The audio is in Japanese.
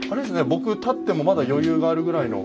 僕立ってもまだ余裕があるぐらいの。